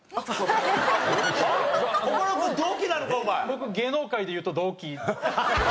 僕芸能界でいうと同期。